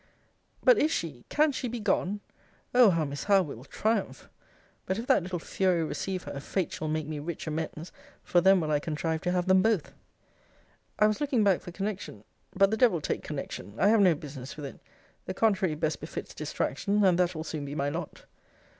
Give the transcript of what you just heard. But is she, can she be gone! Oh! how Miss Howe will triumph! But if that little fury receive her, fate shall make me rich amends; for then will I contrive to have them both. I was looking back for connection but the devil take connection; I have no business with it: the contrary best befits distraction, and that will soon be my lot!